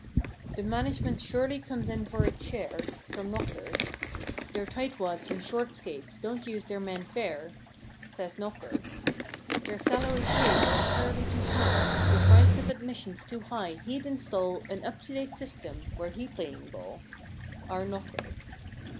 The management surely comes in for its share From knocker; They're "tight wads" and short skates," don't use their men fair. Says knocker. The salaries paid are entirely too small; The price of admission's too high; he'd install An up to date system—were he playing ball— Our knocker.